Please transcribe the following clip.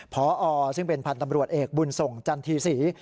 พอซึ่งเป็นพันธ์ตำรวจเอกบุญส่งจันทีศรี